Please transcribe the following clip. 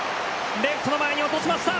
レフトの前に落としました。